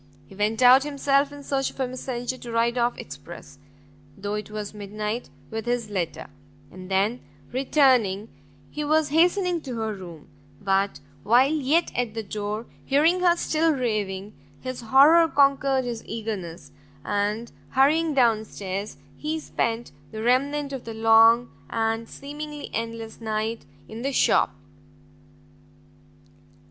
He went out himself in search of a messenger to ride off express, though it was midnight, with his letter; and then, returning, he was hastening to her room, but, while yet at the door, hearing her still raving, his horror conquered his eagerness, and, hurrying down stairs, he spent the remnant of the long and seemingly endless night in the shop.